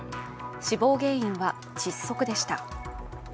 死亡原因は窒息でした。